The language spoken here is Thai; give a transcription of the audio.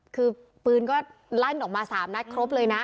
คือปืนก็ลั่นออกมา๓นัดครบเลยนะ